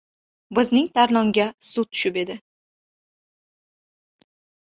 — Bizning Tarlonga suv tushib edi.